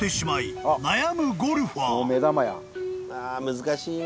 難しいね。